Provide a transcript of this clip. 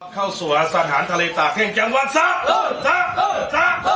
เข้าสวรรค์สถานทลัยต่างแค่จังหวังซับซับซับ